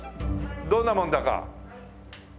どんなもんだか。